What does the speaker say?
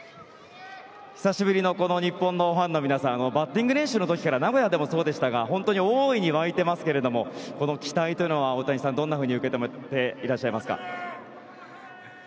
久しぶりの日本のファンの皆さんバッティング練習の時から名古屋でもそうでしたが大いに沸いていますがこの期待というのは大谷さん、どんなふうに受け止めていらっしゃいますか。